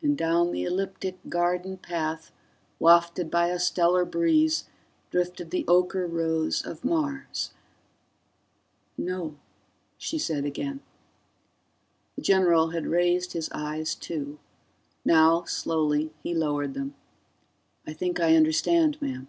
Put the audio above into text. And down the ecliptic garden path, wafted by a stellar breeze, drifted the ocher rose of Mars ... "No," she said again. The general had raised his eyes, too; now, slowly, he lowered them. "I think I understand, ma'am.